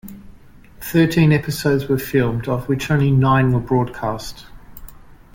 Thirteen episodes were filmed, of which only nine were broadcast.